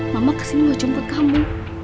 mama kesini gak jemput kamu